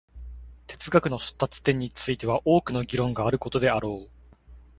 哲学の出立点については多くの議論があることであろう。